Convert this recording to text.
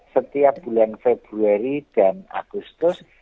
setiap bulan februari dan agustus